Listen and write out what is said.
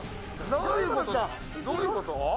どういうこと？